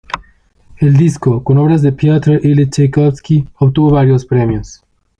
El disco, con obras de Piotr Ilich Chaikovski obtuvo varios premios.